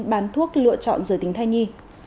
bán thuốc lựa chọn giữa tính thai nhi